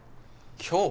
今日？